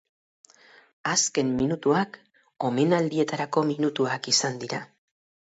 Azken minutuak omenaldietarako minutuak izan dira.